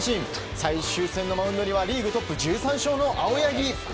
最終戦のマウンドにはリーグトップ１３勝の青柳。